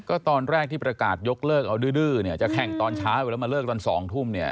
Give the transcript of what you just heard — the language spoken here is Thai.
ก็ตอนแรกที่ประกาศยกเลิกเอาดื้อจะแข่งตอนเช้าให้ไว้แล้วมาเลิกตอน๒ทุ่ม